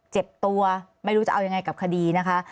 เจ็บตัวไม่รู้จะเอายังไงกับคดีนะคะ